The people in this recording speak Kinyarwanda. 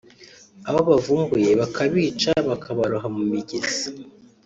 abo bavumbuye bakabica bakabaroha mu migezi